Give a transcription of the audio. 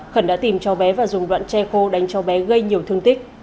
khẩn đã tìm cho bé và dùng vọt che khô đánh cho bé gây nhiều thương tích